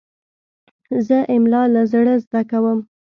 زه املا له زړه زده کوم.